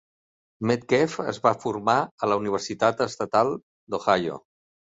Medkeff es va formar a la Universitat Estatal d'Ohio.